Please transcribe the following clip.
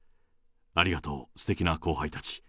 ありがとう、すてきな後輩たち。